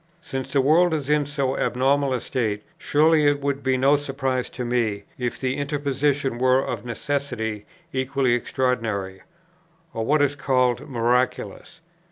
Since the world is in so abnormal a state, surely it would be no surprise to me, if the interposition were of necessity equally extraordinary or what is called miraculous.